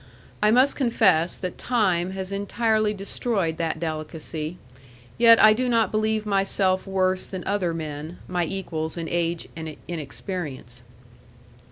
I must confess that time has entirely destroyed that delicacy; yet I do not believe myself worse than other men, my equals in age and inexperience.